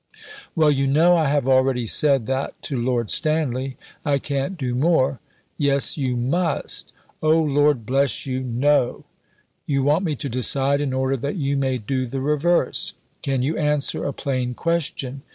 "Well, you know I have already said that to Lord Stanley. I can't do more." "Yes, you must." "Oh, Lord bless you, No." "You want me to decide in order that you may do the reverse." "Can you answer a plain question?"